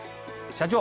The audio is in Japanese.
社長！